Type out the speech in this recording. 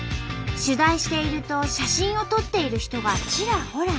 取材していると写真を撮っている人がちらほら。